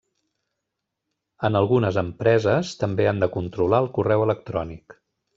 En algunes empreses també han de controlar el correu electrònic.